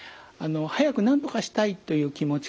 早くなんとかしたいという気持ちからですね